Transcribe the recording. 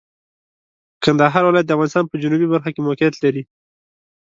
کندهار ولایت د افغانستان په جنوبي برخه کې موقعیت لري.